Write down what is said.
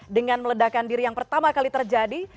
dengan meledakan diri yang pertama kali terjadi